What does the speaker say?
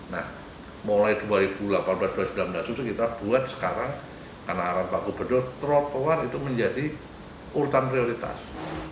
nah mulai dua ribu delapan belas dua ribu sembilan belas kita buat sekarang karena arah paku pedo terlalu kelar itu menjadi urutan prioritas